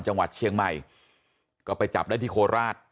จังหวัดเชียงใหม่ก็ไปจับได้ที่โคราช